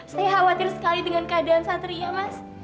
saya khawatir sekali dengan keadaan satria mas